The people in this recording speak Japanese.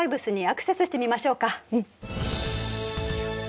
うん。